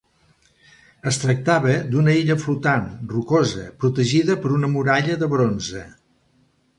Es tractava d'una illa flotant, rocosa, protegida per una muralla de bronze.